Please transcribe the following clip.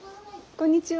こんにちは。